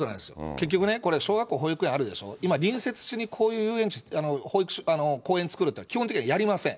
結局ね、これ、小学校、保育園あるでしょ、今、隣接する地にこういう公園作るっていうのは基本的にはやりません。